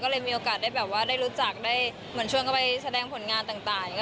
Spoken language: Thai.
แล้วมีโอกาสได้รู้จักชวนเข้าไปแสดงผลงานต่าง